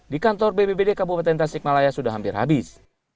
di kantor bpbd kabupaten tasik malaya sudah hampir habis